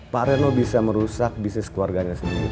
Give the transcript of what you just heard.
pak reno bisa merusak bisnis keluarganya sendiri